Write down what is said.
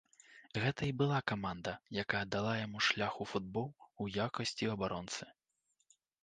Гэта і была каманда, якая дала яму шлях у футбол у якасці абаронцы.